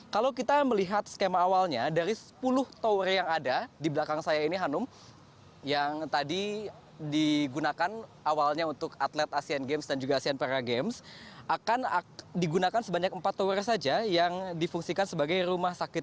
kalau kita melihat skema awalnya dari sepuluh tower yang ada di belakang saya ini hanum yang tadi digunakan awalnya untuk atlet asean games dan juga asean para games akan digunakan sebanyak empat tower saja yang difungsikan sebagai rumah sakit